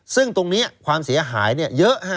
ซึ่งตรงนี้ความเสียหายเยอะ